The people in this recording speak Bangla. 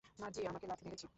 মার্জি আমাকে লাত্থি মেরেছে!